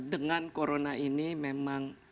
dengan corona ini memang